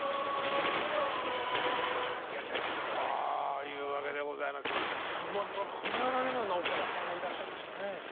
というわけでございますけど今では考えられないような岡田さんがいらっしゃいましたね。